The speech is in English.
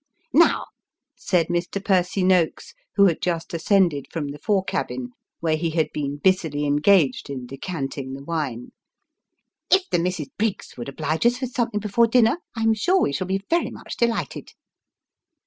" Now," said Mr. Percy Noakes, who had just ascended from the fore cabin, where he had been busily engaged in decanting the wine, " if the Misses Briggs will oblige us with something before dinner, I am sure we shall be very much delighted."